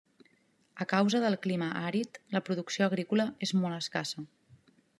A causa del clima àrid, la producció agrícola és molt escassa.